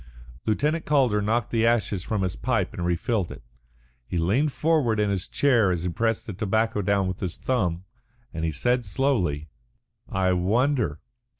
Lieutenant Calder knocked the ashes from his pipe and refilled it. He leaned forward in his chair as he pressed the tobacco down with his thumb, and he said slowly: "I wonder.